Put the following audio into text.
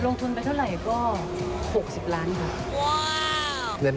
ลงทุนไปเท่าไหร่ก็๖๐ล้านครับ